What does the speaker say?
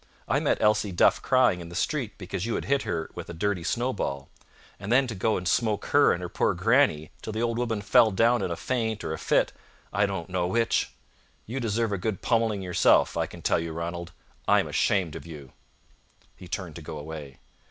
I met Elsie Duff crying in the street because you had hit her with a dirty snowball. And then to go and smoke her and her poor grannie, till the old woman fell down in a faint or a fit, I don't know which! You deserve a good pommelling yourself, I can tell you, Ranald. I'm ashamed of you." He turned to go away.